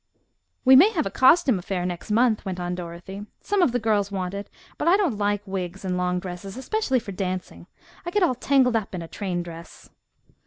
"We may have a costume affair next month," went on Dorothy. "Some of the girls want it, but I don't like wigs and long dresses, especially for dancing. I get all tangled up in a train dress."